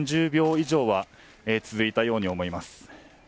３０秒以上は続いたように思います。